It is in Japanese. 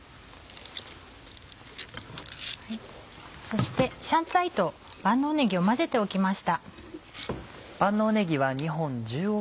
そして香菜と万能ねぎを混ぜておきました。